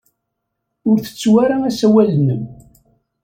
Ur ttettu ara asawal-nnem.